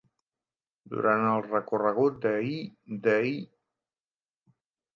Durant el recorregut de Hi-de-Hi!